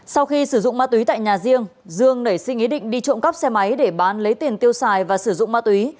sau khi sử dụng ma túy tại nhà riêng dương nảy sinh ý định đi trộm cắp xe máy để bán lấy tiền tiêu xài và sử dụng ma túy